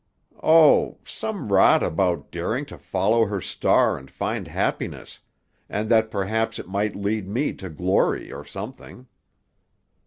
"Oh, some rot about daring to follow her star and find happiness, and that perhaps it might lead me to glory or something."